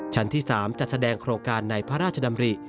ที่๓จัดแสดงโครงการในพระราชดำริ